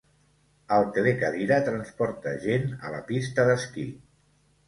El telecadira transporta gent a la pista d'esquí.